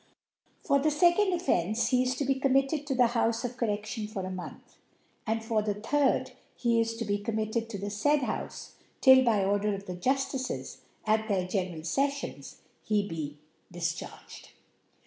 For the iecond Offence, he is to be committed to the Houfe of CorrecUon for a Month ; and for the third, he is to be committed to the faid Houfe, till by Order of the Juftices, at their General Seflions, he be difcharged.